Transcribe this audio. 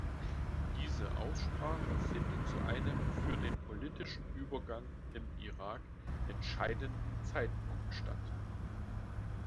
Diese Aussprache findet zu einem für den politischen Übergang im Irak entscheidenden Zeitpunkt statt.